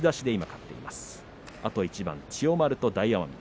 あと１番、千代丸と大奄美。